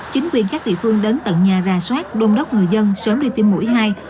chính quyền các thị phương đến tận nhà ra soát đôn đốc người dân sớm đi tiêm mũi hai